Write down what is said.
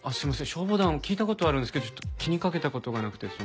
消防団聞いた事あるんですけどちょっと気にかけた事がなくてその。